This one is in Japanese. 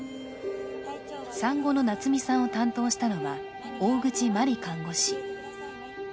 産後の夏美さんを担当したのは大口茉莉看護師。